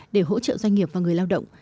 để hỗ trợ doanh nghiệp và người lao động